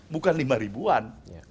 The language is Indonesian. bukan lima ribuan